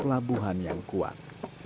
pelabuhan yang kuat